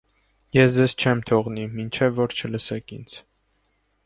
- Ես ձեզ չեմ թողնի,- մինչև որ չլսեք ինձ: